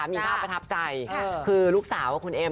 ได้มีภาพประทับใจค่ะคือลูกสาวว่าคุณเอ็มเนี่ย